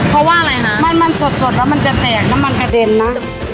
เพราะว่าอะไรคะมันมันสดสดแล้วมันจะแตกน้ำมันกระเด็นนะ